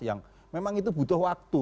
yang memang itu butuh waktu